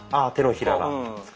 あ手のひらが。